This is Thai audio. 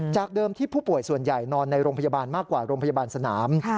จากเดิมที่ผู้ป่วยส่วนใหญ่นอนในโรงพยาบาลมากกว่าโรงพยาบาลสนาม